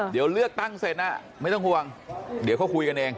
เดี๋ยวเลือกตั้งเสร็จไม่ต้องห่วงเดี๋ยวเขาคุยกันเอง